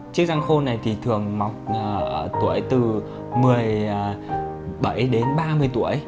chiếc răng khôn này thường mọc tuổi từ một mươi bảy đến ba mươi tuổi